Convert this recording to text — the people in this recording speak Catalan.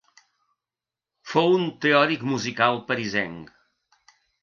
Fou un teòric musical, parisenc.